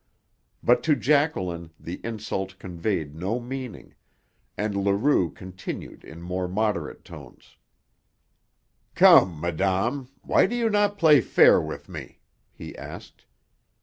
But to Jacqueline the insult conveyed no meaning, and Leroux continued in more moderate tones. "Come, madame, why do you not play fair with me?" he asked.